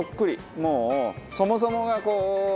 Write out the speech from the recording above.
もうそもそもがこうね